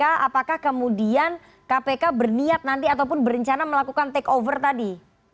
apakah kemudian kpk berniat nanti ataupun berencana melakukan take over tadi